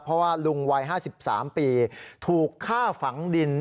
เพราะว่าลุงวัย๕๓ปีถูกฆ่าฝังดิน